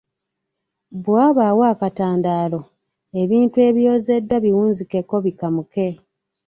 Bwe wabaawo akatandaalo, ebintu ebyozeddwa biwunzikeko bikamuke.